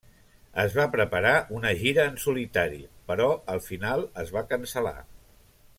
Es va preparar una gira en solitari, però al final es va cancel·lar.